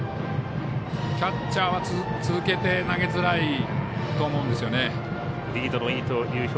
キャッチャーは続けて投げづらいと思うんですよね。